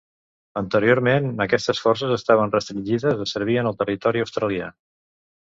Anteriorment, aquestes forces estaven restringides a servir en el territori australià.